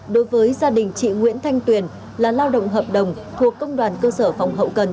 đối với gia đình chị nguyễn thanh tuyền là lao động hợp đồng thuộc công đoàn cơ sở phòng hậu cần